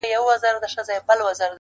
د الماسو یو غمی وو خدای راکړی،